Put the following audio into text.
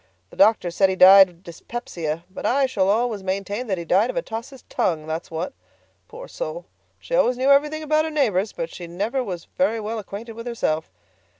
The doctor said he died of dyspepsia, but I shall always maintain that he died of Atossa's tongue, that's what. Poor soul, she always knew everything about her neighbors, but she never was very well acquainted with herself.